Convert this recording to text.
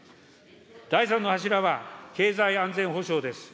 第３の柱は、経済安全保障です。